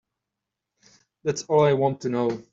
That's all I want to know.